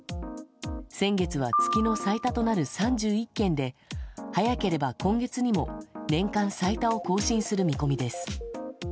先月は月の最多となる３１件で早ければ今月にも年間最多を更新する見込みです。